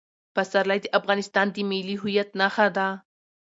پسرلی د افغانستان د ملي هویت نښه ده.